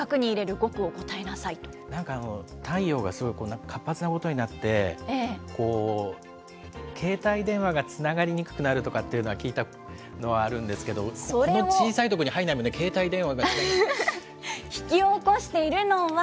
さあ、なんか、太陽がすごい活発なことになって、携帯電話がつながりにくくなるっていうのは聞いたことはあるんですけれども、この小さい所に入んないもんね、携帯引き起こしているのは。